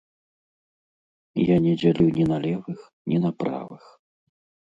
Я не дзялю ні на левых, ні на правых.